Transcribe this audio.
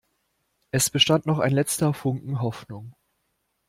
Es bestand noch ein letzter Funken Hoffnung.